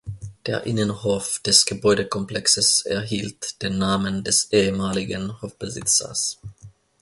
Der Innenhof des Gebäudekomplexes erhielt den Namen des ehemaligen Hofbesitzers.